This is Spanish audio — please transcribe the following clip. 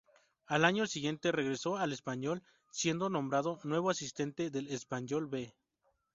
Al año siguiente, regresó al Espanyol, siendo nombrado nuevo asistente del Espanyol "B".